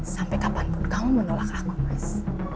sampai kapanpun kamu menolak aku pres